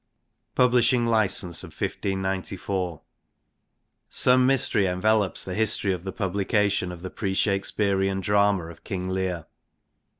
Publishing license Of 1594. Some mystery en velops the history of the publication of the pre Shakespearean drama of King Letr.